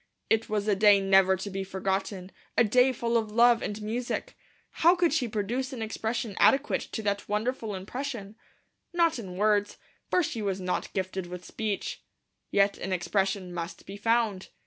It was a day never to be forgotten, a day full of Love and Music. How could she produce an expression adequate to that wonderful impression? Not in words; for she was not gifted with speech. Yet an expression must be found.